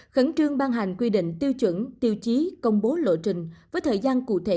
khẩn trương ban hành quy định tiêu chuẩn tiêu chí công bố lộ trình với thời gian cụ thể